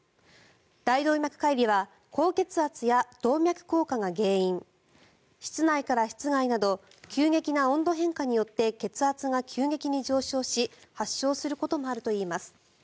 大動脈解離は高血圧や動脈硬化が原因室内から室外など急激な温度変化によって血圧が急激に上昇し発症することもあるといいます。